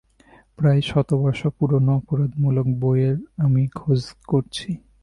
প্রায় শতবর্ষ পুরোনো অপরাধমূলক বইয়ের আমি খোঁজ করছি।